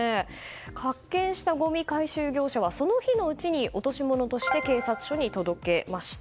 発見したごみ回収業者はその日のうちに落とし物として警察署に届けました。